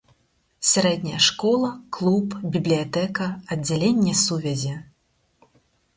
Сярэдняя школа, клуб, бібліятэка, аддзяленне сувязі.